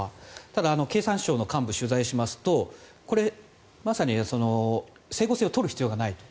ただ、経産省の幹部を取材しますとこれ、まさに整合性を取る必要がないと。